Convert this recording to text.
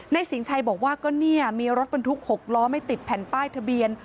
สินชัยบอกว่าก็เนี่ยมีรถบรรทุก๖ล้อไม่ติดแผ่นป้ายทะเบียน